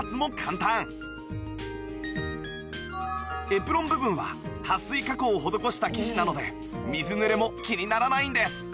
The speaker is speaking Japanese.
エプロン部分ははっ水加工を施した生地なので水ぬれも気にならないんです